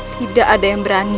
tidak ada yang berani